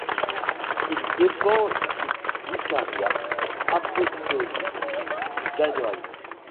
Il dépend du vicariat apostolique d'Hanoï.